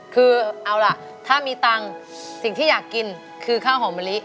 คือเอาล่ะถ้ามีตังค์สิ่งที่อยากกินคือข้าวหอมมะลิ